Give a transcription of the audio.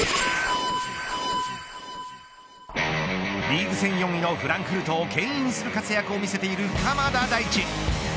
リーグ戦４位のフランクフルトをけん引する活躍を見せている鎌田大地。